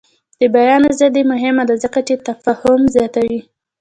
د بیان ازادي مهمه ده ځکه چې تفاهم زیاتوي.